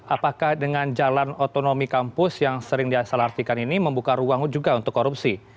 apakah dengan jalan otonomi kampus yang sering diasal artikan ini membuka ruang juga untuk korupsi